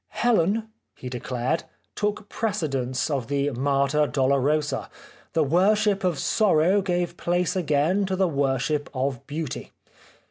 " Helen/' he declared, " took precedence of the Mater Dolorosa ; the worship of sorrow gave place again to the worship of beauty."